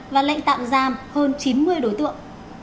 và lệnh tạm giam hơn chín mươi đối tượng